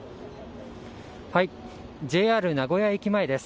ＪＲ名古屋駅前です。